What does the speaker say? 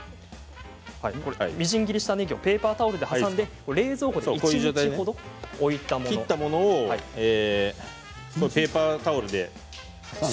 みじん切りしたねぎをペーパータオルで挟んで冷蔵庫で一日置いたものです。